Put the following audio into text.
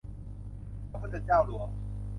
พระพุทธเจ้าหลวง